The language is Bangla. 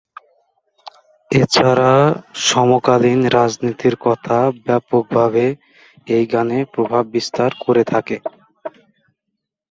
এছাড়া সমকালীন রাজনীতির কথা ব্যাপক ভাবে এই গানে প্রভাব বিস্তার করে থাকে।